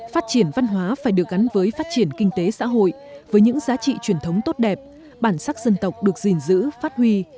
phát triển văn hóa phải được gắn với phát triển kinh tế xã hội với những giá trị truyền thống tốt đẹp bản sắc dân tộc được gìn giữ phát huy